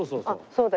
そうだ。